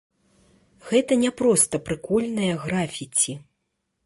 Гэта не проста прыкольнае графіці.